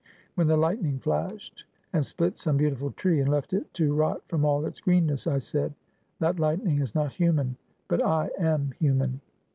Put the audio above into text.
When the lightning flashed, and split some beautiful tree, and left it to rot from all its greenness, I said, That lightning is not human, but I am human.